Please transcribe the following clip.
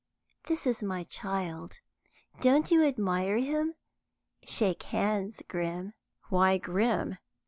"This is my child. Don't you admire him? Shake hands, Grim." "Why Grim?"